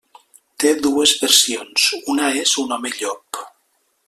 Té dues versions, una és un home-llop.